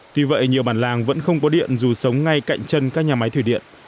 tuy vậy nhiều bản làng vẫn không có điện dù sống ngay cạnh chân các nhà máy thủy điện